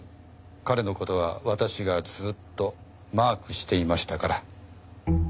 彼の事は私がずっとマークしていましたから。